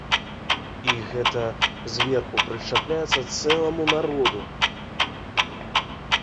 І гэта зверху прышчапляецца цэламу народу.